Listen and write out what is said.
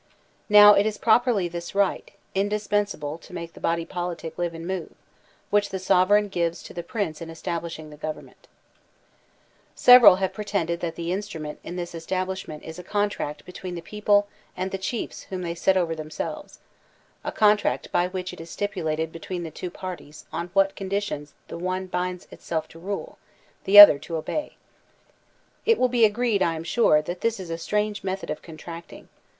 Now, it is properly this right, indispensable to make the body politic live and move, which the sov ereign gives to the Prince in establishing the govern ment Several have i>retended that the instrument in this establishment is a contract between the people and the chiefs whom they set over themselves — a contract by which it is stipulated between the two parties on what conditions the one binds itself to rule, the other to obey. It will be agreed, I am sure, that this is a strange method of contracting.